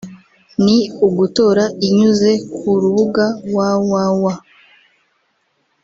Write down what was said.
ni ugutora inyuze ku rubuga www